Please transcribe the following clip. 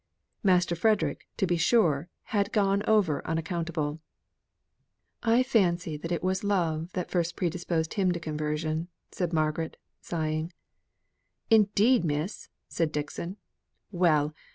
Master Frederick, to be sure, had gone over unaccountably. "I fancy it was love that first predisposed him to conversion," said Margaret, sighing. "Indeed, Miss!" said Dixon; "well!